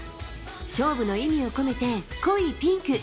勝負の意味を込めて濃いピンク。